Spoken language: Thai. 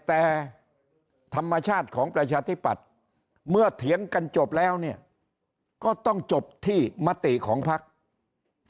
แต่ธรรมชาติของประชาธิปัตย์เมื่อเถียงกันจบแล้วเนี่ยก็ต้องจบที่มติของพัก